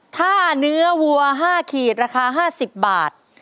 ถ้าเนื้อวัว๕ขีดราคา๕๐บาท